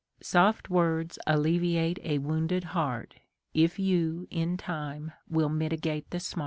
Soft words alleviate a wounded heart, If you in time will mitigate the smart.